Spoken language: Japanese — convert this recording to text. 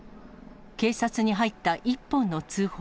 警察に入った一本の通報。